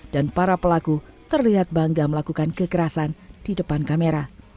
dan para pelaku terlihat bangga melakukan kekerasan di depan kamera